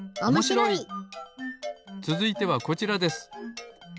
つづいてはこちらです。